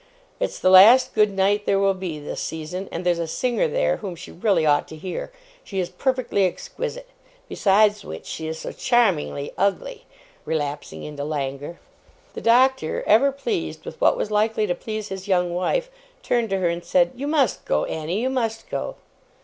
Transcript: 'It's the last good night there will be, this season; and there's a singer there, whom she really ought to hear. She is perfectly exquisite. Besides which, she is so charmingly ugly,' relapsing into languor. The Doctor, ever pleased with what was likely to please his young wife, turned to her and said: 'You must go, Annie. You must go.